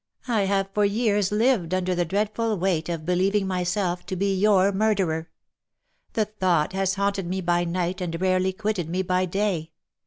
I have for years lived under the dreadful weight of believing myself to be your murderer. The thought has haunted me by night, and rarely quitted me by day.